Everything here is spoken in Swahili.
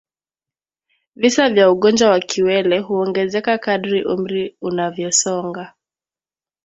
Visa vya ugonjwa wa kiwele huongezeka kadri umri unavyosonga